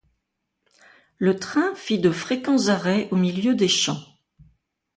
La train fit de fréquents arrêts au milieu des champs.